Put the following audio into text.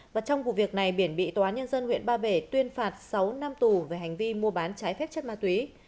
và trong vụ việc này biển bị tòa nhân dân huyện ba bể tuyên phạt sáu năm tù về hành vi mua bán trái phép chất ma túy